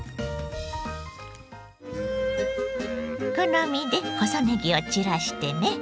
好みで細ねぎを散らしてね。